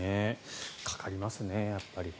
かかりますね、やっぱり。